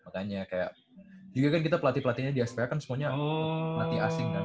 kayak juga kan kita pelatih pelatihnya di sph kan semuanya nanti asing kan